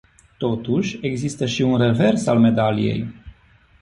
Totuși, există și un revers al medaliei.